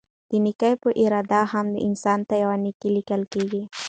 د نيکي په اراده هم؛ انسان ته يوه نيکي ليکل کيږي